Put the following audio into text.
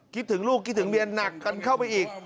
คิดถึงลูกคิดถึงเมียหนักกันเข้าไปอีก